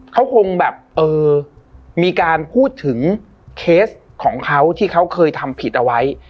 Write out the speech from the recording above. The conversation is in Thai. เขาคงแบบเออมีการพูดถึงเคสของเขาที่เขาเคยทำผิดเอาไว้